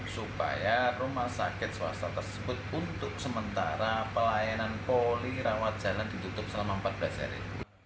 supaya rumah sakit swasta tersebut untuk sementara pelayanan poli rawat jalan ditutup selama empat belas hari